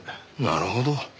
なるほど。